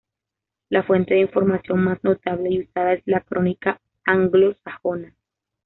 La fuente de información más notable y usada es la Crónica Anglo-Sajona.